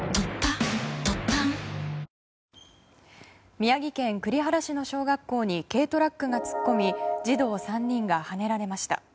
宮城県栗原市の小学校に軽トラックが突っ込み児童３人がはねられました。